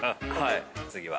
次は。